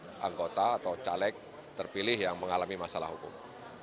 jadi ini adalah anggota atau caleg terpilih yang mengalami masalah hukum